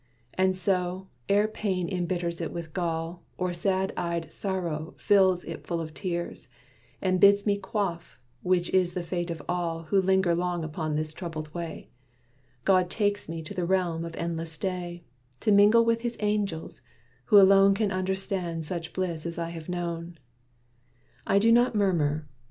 And so, ere Pain embitters it with gall, Or sad eyed Sorrow fills it full of tears, And bids me quaff, which is the Fate of all Who linger long upon this troubled way, God takes me to the realm of Endless Day, To mingle with his angels, who alone Can understand such bliss as I have known. I do not murmur.